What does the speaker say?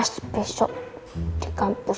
pas besok di kampus ya